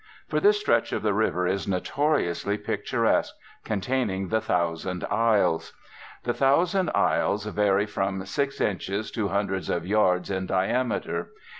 For this stretch of the river is notoriously picturesque, containing the Thousand Isles. The Thousand Isles vary from six inches to hundreds of yards in diameter.